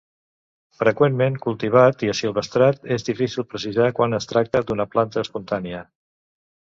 Freqüentment cultivat i assilvestrat, és difícil precisar quan es tracta d'una planta espontània.